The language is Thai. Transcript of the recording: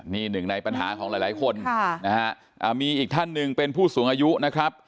นี่หนึ่งในปัญหาของหลายคนมีอีกท่านหนึ่งเป็นผู้สูงอายุนะครับ